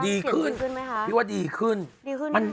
ดีขึ้นลึกว่าดีขึ้นมัน